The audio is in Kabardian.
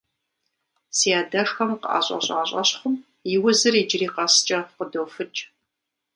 Си адэшхуэм къыӀэщӀэщӀа щӀэщхъум и узыр иджыри къэскӀэ къыдофыкӀ.